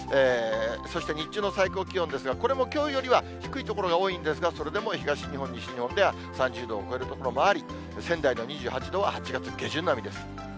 そして日中の最高気温ですが、これもきょうよりは低い所が多いんですが、それでも東日本、西日本では３０度を超える所もあり、仙台の２８度は８月下旬並みです。